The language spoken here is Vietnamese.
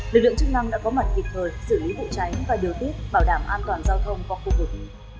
lực lượng chức năng đã có mặt kịp thời xử lý vụ cháy và điều tiết bảo đảm an toàn giao thông qua khu vực